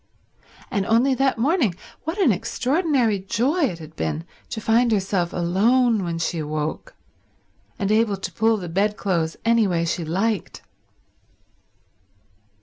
And only that morning what an extraordinary joy it had been to find herself alone when she woke, and able to pull the bed clothes any way she liked!